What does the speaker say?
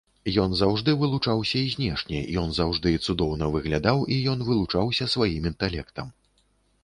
Ён заўжды вылучаўся і знешне, ён заўжды цудоўна выглядаў і ён вылучаўся сваім інтэлектам.